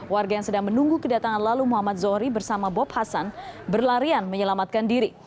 warga yang sedang menunggu kedatangan lalu muhammad zohri bersama bob hasan berlarian menyelamatkan diri